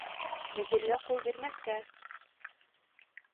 - Вәзиргә ҡул бирмәҫкә!